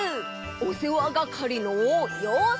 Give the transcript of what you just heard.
おせわがかりのようせい！